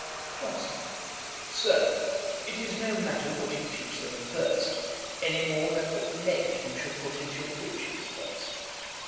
JOHNSON. 'Sir, it is no matter what you teach them first, any more than what leg you shall put into your breeches first.